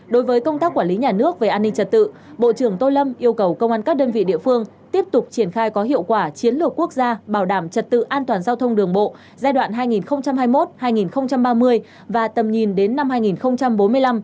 đối với công tác quản lý nhà nước về an ninh trật tự bộ trưởng tô lâm yêu cầu công an các đơn vị địa phương tiếp tục triển khai có hiệu quả chiến lược quốc gia bảo đảm trật tự an toàn giao thông đường bộ giai đoạn hai nghìn hai mươi một hai nghìn ba mươi và tầm nhìn đến năm hai nghìn bốn mươi năm